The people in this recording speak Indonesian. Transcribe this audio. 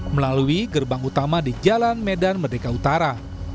melalui gerbang utama di jalan medan merdeka utara